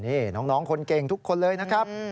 นี่น้องคนเก่งทุกคนเลยนะครับ